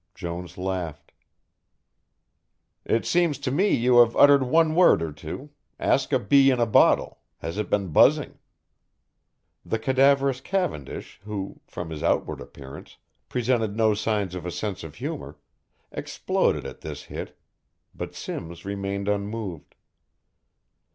Jones laughed. "It seems to me you have uttered one word or two ask a bee in a bottle, has it been buzzing." The cadaverous Cavendish, who, from his outward appearance presented no signs of a sense of humour, exploded at this hit, but Simms remained unmoved.